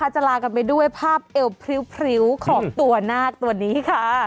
แล้วจะลากันไปด้วยภาพเอหัวพริ่วของตัวหน้าตัวนี้ค่ะ